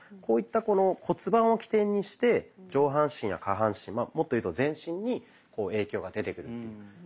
こういった骨盤を起点にして上半身や下半身もっというと全身に影響が出てくるっていう。